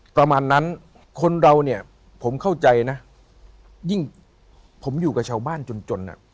ประมาณนั้นคนเราเนี่ยผมเข้าใจนะยิ่งผมอยู่กับชาวบ้านจนจน